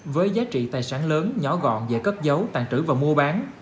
với giá trị tài sản lớn nhỏ gọn dễ cất giấu tàn trữ và mua bán